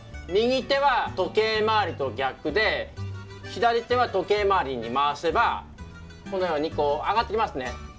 右手は時計回りと逆で左手は時計回りに回せばこのようにこう上がってきますね。